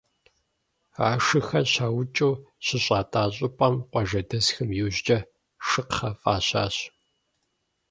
А шыхэр щаукӏыу щыщӏатӏа щӏыпӏэм къуажэдэсхэм иужькӏэ «Шыкхъэ» фӏащащ.